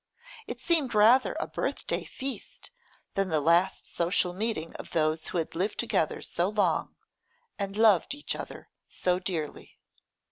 It seemed rather a birth day feast than the last social meeting of those who had lived together so long, and loved each other so dearly.